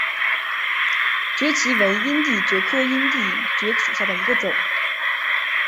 蕨萁为阴地蕨科阴地蕨属下的一个种。